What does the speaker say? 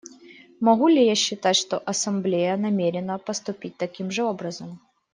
Могу ли я считать, что Ассамблея намерена поступить таким же образом?